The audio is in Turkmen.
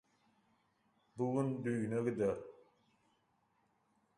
Bu gün düýne gider.